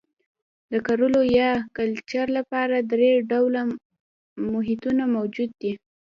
د کرلو یا کلچر لپاره درې ډوله محیطونه موجود دي.